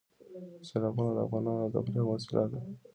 سیلابونه د افغانانو د تفریح یوه وسیله ده.